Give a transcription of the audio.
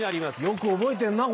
よく覚えてんな